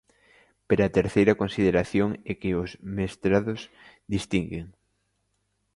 Pero a terceira consideración é que os mestrados distinguen.